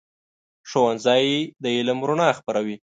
ښوونځی د علم رڼا خپروي.